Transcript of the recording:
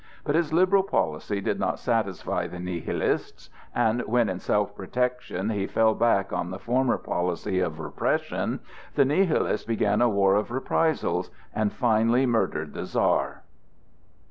But his liberal policy did not satisfy the Nihilists. And when in self protection he fell back on the former policy of repression, the Nihilists began a war of reprisals, and finally murdered the Czar.